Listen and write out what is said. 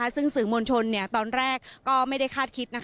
ซึ่งสื่อมวลชนตอนแรกก็ไม่ได้คาดคิด